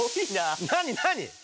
何何？